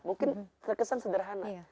mungkin terkesan sederhana